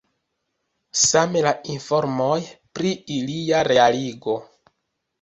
Same la informoj pri ilia realigo.